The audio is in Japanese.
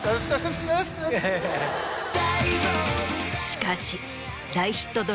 しかし。